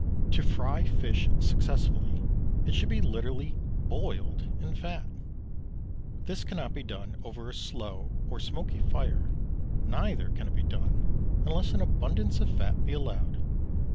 To fry fish successfully it should be literally boiled in fat. This cannot be done over a slow or smoky fire, neither can it be done unless an abundance of fat be allowed.